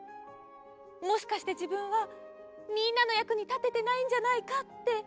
もしかしてじぶんはみんなのやくにたててないんじゃないかって。